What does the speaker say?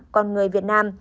còn người việt nam